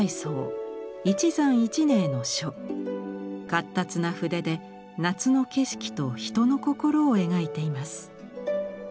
かったつな筆で夏の景色と人の心を描いています。